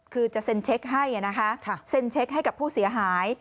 คือจะเซ็นเช็คให้นะคะเซ็นเช็คให้กับผู้เสียหาย